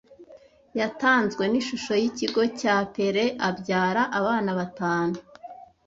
yatanzwe n'Ishusho y'Ikigo cya Peele' abyara abana batanu